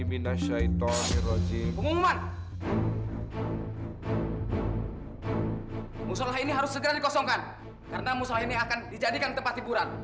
musola ini harus segera dikosongkan karena musola ini akan dijadikan tempat hiburan